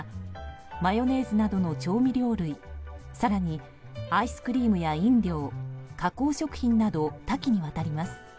マヨネーズなどの調味料類更に、アイスクリームや飲料加工食品など多岐にわたります。